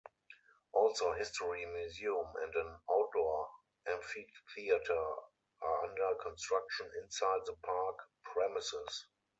Also history museum and an outdoor amphitheater are under construction inside the park premises.